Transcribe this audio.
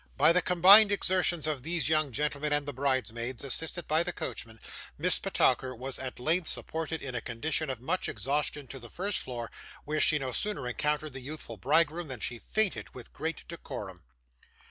By the combined exertions of these young gentlemen and the bridesmaids, assisted by the coachman, Miss Petowker was at length supported in a condition of much exhaustion to the first floor, where she no sooner encountered the youthful bridegroom than she fainted with great decorum.